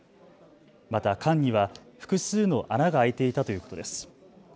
また缶には複数の穴が開いていたということです。